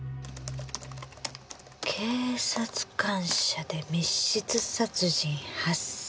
警察官舎で密室殺人発生。